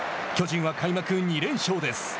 巨人は開幕２連勝です。